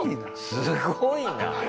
すごいな。